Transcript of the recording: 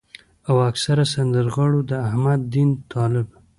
او اکثره سندرغاړو د احمد دين طالب